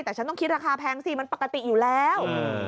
แต่ฉันต้องคิดราคาแพงสิมันปกติอยู่แล้ว